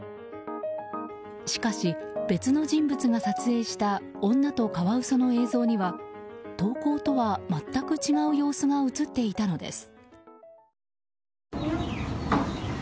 しかし別の人物が撮影した女とカワウソの映像には投稿とは全く違う様子が映っていたのです。